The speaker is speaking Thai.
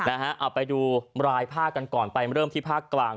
เอาไปดูรายภาคกันก่อนไปเริ่มที่ภาคกลาง